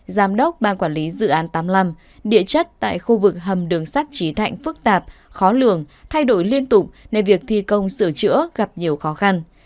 giám đốc ban quản lý dự án tám mươi năm địa chất tại khu vực hầm đường sắt trí thạnh phức tạp khó lường thay đổi liên tục nên việc thi công sửa chữa gặp nhiều khó khăn